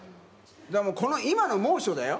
もう、この今の猛暑だよ。